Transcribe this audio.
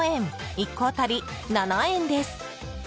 １個当たり７円です。